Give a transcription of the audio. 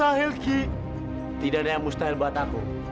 aku tidak akan berbuat lagi